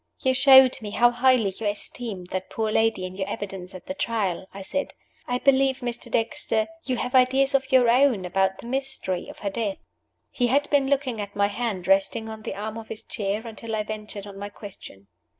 "You showed me how highly you esteemed that poor lady in your evidence at the Trial," I said. "I believe, Mr. Dexter, you have ideas of your own about the mystery of her death?" He had been looking at my hand, resting on the arm of his chair, until I ventured on my question.